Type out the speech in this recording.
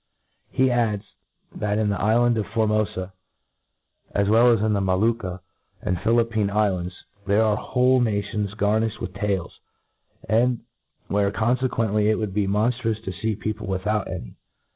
He adds, that, in the ifland of Formofa, as well as in the Molucca and Philippine iflands, there are whole nations garnilhed with tails ; nralid where, confequently, it would be monftrous to fee people without any.